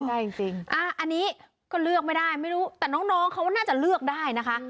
ได้จริงอันนี้ก็เลือกไม่ได้ไม่รู้แต่น้องเขาน่าจะเลือกได้นะคะ